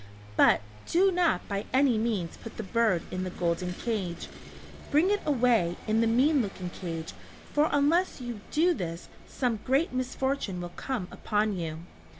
But do not by any means put the bird in the golden cage. Bring it away in the mean looking cage, for unless you do this some great misfortune will come upon you."